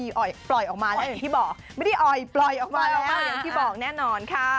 พี่อ๊ออยเปล่าอยอกมาแล้วง่ายอย่างที่บอกแน่นอนค่ะ